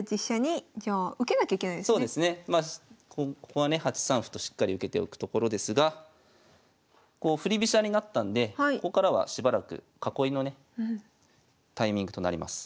ここはね８三歩としっかり受けておくところですが振り飛車になったんでここからはしばらく囲いのねタイミングとなります。